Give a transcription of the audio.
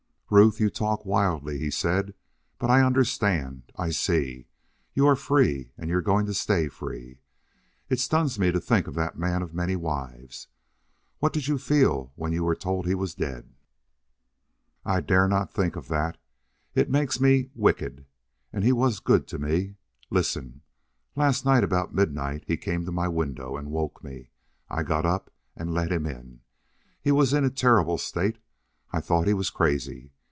"Ruth, you talk wildly," he said. "But I understand. I see. You are free and you're going to stay free.... It stuns me to think of that man of many wives. What did you feel when you were told he was dead?" "I dare not think of that. It makes me wicked. And he was good to me.... Listen. Last night about midnight he came to my window and woke me. I got up and let him in. He was in a terrible state. I thought he was crazy.